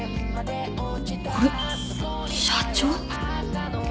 これ社長？